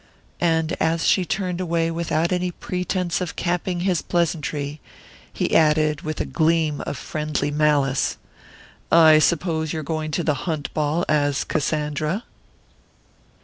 And, as she turned away without any pretense of capping his pleasantry, he added, with a gleam of friendly malice: "I suppose you're going to the Hunt ball as Cassandra?"